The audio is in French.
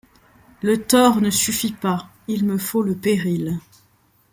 Le tort ne suffit pas, il me faut le péril.